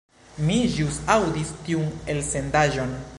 Mi ĵus aŭdis tiun elsendaĵon.